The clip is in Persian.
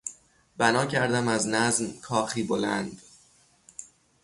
بنا کردم از نظم کاخی بلند